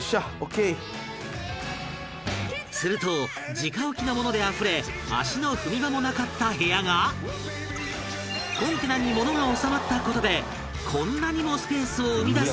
すると、直置きのものであふれ足の踏み場もなかった部屋がコンテナに、ものが収まった事でこんなにもスペースを生み出す事に成功